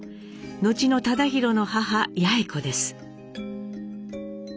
後の忠宏の母八詠子です。